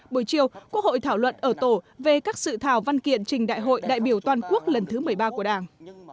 buổi chiều quốc hội thảo luận ở tổ về các sự thảo văn kiện trình đại hội đại biểu toàn quốc lần thứ một mươi ba của đảng